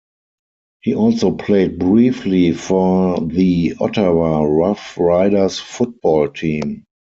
He also played briefly for the Ottawa Rough Riders football team.